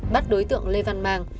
bắt đối tượng lê văn mang